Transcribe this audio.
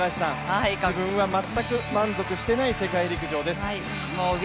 自分は全く満足していない世界陸上ですと。